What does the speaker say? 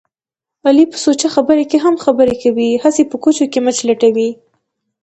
علي په سوچه خبره کې هم خبره کوي. هسې په کوچو کې مچ لټوي.